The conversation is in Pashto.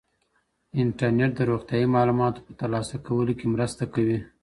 انټرنیټ د روغتیايي معلوماتو په ترلاسه کولو کې مرسته کوي.